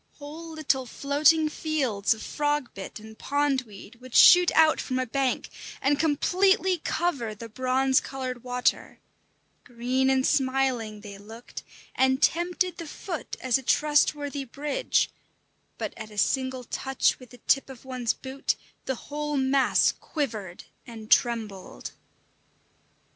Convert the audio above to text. Whole little floating fields of frog bit and pond weed would shoot out from a bank, and completely cover the bronze coloured water; green and smiling they looked, and tempted the foot as a trustworthy bridge; but at a single touch with the tip of one's boot, the whole mass quivered and trembled.